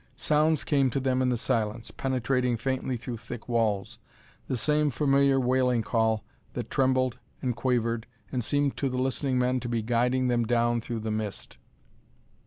Sounds came to them in the silence, penetrating faintly through thick walls the same familiar wailing call that trembled and quavered and seemed to the listening men to be guiding them down through the mist.